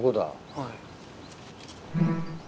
はい。